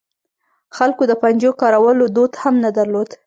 خلکو د پنجو کارولو دود هم نه درلود.